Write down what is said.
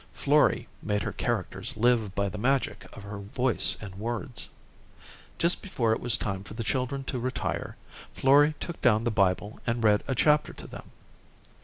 Florrie made her characters live by the magic of her voice and words. Just before it was time for the children to retire, Florrie took down the Bible and read a chapter to them.